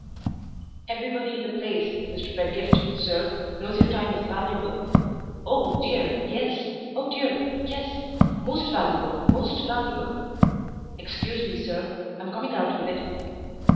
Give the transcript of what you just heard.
"Everybody in the place, Mr. Pedgift, sir, knows your time is valuable. Oh, dear, yes! oh, dear, yes! most valuable, most valuable! Excuse me, sir, I'm coming out with it.